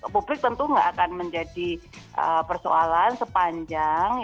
publik tentu tidak akan menjadi persoalan sepanjang